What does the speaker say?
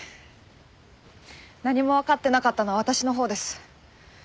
何もわかってなかったのは私のほうです。